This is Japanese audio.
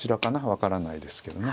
分からないですけどね。